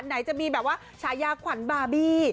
ไหนจะมีแบบว่าฉายาขวัญบาร์บี้